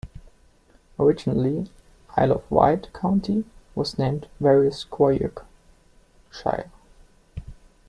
Originally, Isle of Wight County, was named Warrosquyoake Shire.